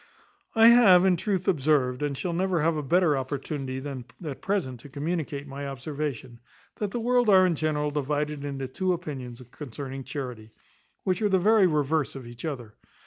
I have, in truth, observed, and shall never have a better opportunity than at present to communicate my observation, that the world are in general divided into two opinions concerning charity, which are the very reverse of each other.